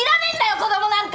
子供なんか！